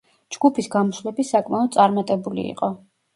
ჯგუფის გამოსვლები საკმაოდ წარმატებული იყო.